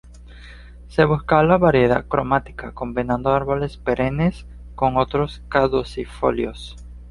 Se buscaba la variedad cromática, combinando árboles perennes con otros caducifolios.